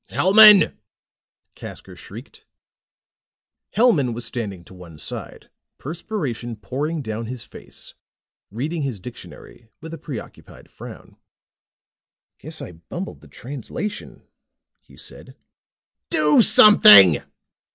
"Hellman!" Casker shrieked. Hellman was standing to one side, perspiration pouring down his face, reading his dictionary with a preoccupied frown. "Guess I bumbled the translation," he said. "Do something!"